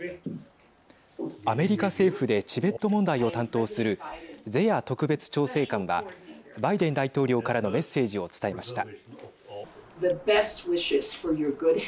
アメリカ政府でチベット問題を担当するゼヤ特別調整官はバイデン大統領からのメッセージを伝えました。